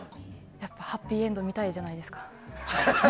やっぱりハッピーエンド見たいじゃないですか。